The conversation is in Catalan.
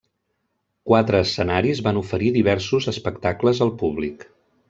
Quatre escenaris van oferir diversos espectacles al públic.